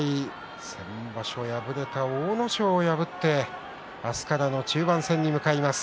先場所、敗れた阿武咲を破って明日からの中盤戦に向かいます。